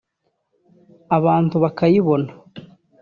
abantu bakayibona